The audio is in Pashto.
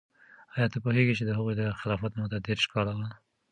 آیا ته پوهیږې چې د هغوی د خلافت موده دیرش کاله وه؟